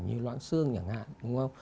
như loãng xương chẳng hạn